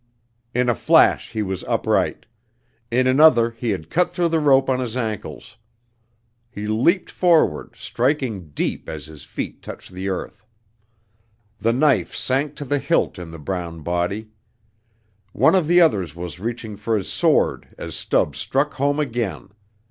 In a flash he was upright; in another he had cut through the rope on his ankles. He leaped forward, striking deep as his feet touched the earth. The knife sank to the hilt in the brown body. One of the others was reaching for his sword as Stubbs struck home again.